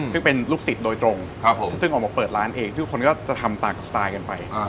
ซึ่งเป็นลูกศิษย์โดยตรงซึ่งออกมาเปิดร้านเองทุกคนก็จะทำต่างกับสไตล์กันไป